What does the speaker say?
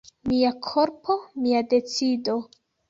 "Mia korpo, mia decido."